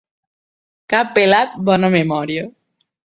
Cap pelat, bona memòria.